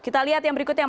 kita lihat yang berikutnya